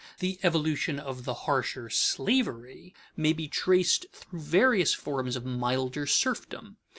The evolution of the harsher slavery may be traced through various forms of milder serfdom.